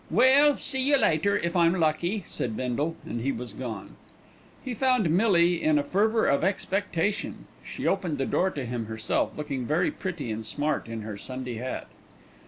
"Well, see you later, if I'm lucky," said Bindle, and he was gone. He found Millie in a fever of expectation. She opened the door to him herself, looking very pretty and smart in her Sunday hat.